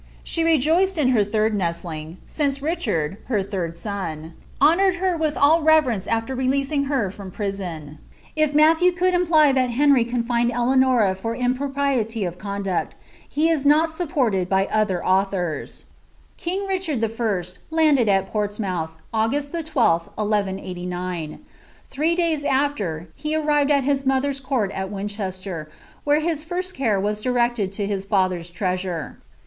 She rejoiced in her third nestling, since Richard, bir third Bon, honoured her with all reverence after re1ea.sing ber htm prison." If Mnlltiew would imply thai Henry confined Eleanom for imprO]»ien' } of conduct, he id not supported by other aulhom. ' Kini» Richard I. landed at Portsmouth, Angnst the 1 2th, 1 1 89. Thnt days aAer, he arrived at his mother's court at Winchester, where his fat rare was directed to his father's treasure.